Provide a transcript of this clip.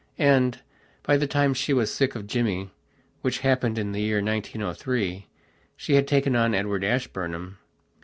And, by the time she was sick of Jimmywhich happened in the year 1903she had taken on Edward Ashburnham.